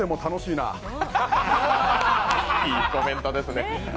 いいコメントですね。